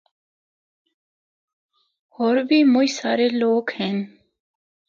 ہور بھی مُچ سارے لوک ہن۔